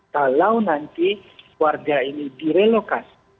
kalau nanti warga ini direlokasi